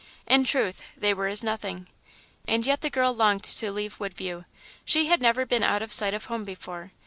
In truth they were as nothing. And yet the girl longed to leave Woodview. She had never been out of sight of home before.